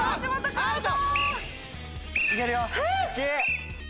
アウト！